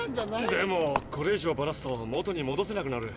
でもこれ以上バラすと元にもどせなくなる。